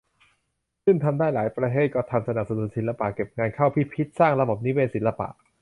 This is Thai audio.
ซึ่งทำได้ หลายประเทศก็ทำ สนับสนุนศิลปิน เก็บงานเข้าพิพิธ สร้างระบบนิเวศศิลปะ